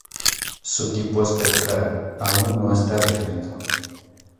Su tipo espectral aún no está definido.